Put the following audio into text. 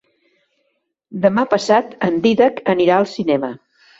Demà passat en Dídac anirà al cinema.